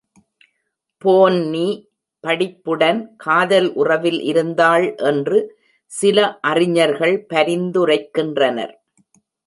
போன்னி படிப்புடன் காதல் உறவில் இருந்தாள் என்று சில அறிஞர்கள் பரிந்துரைக்கின்றனர்.